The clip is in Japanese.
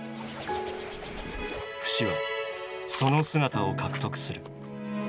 フシはその姿を獲得する。